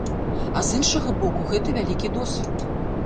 А з іншага боку, гэта вялікі досвед.